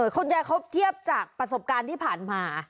คุณยายเขาเทียบจากประสบการณ์ที่ผ่านมา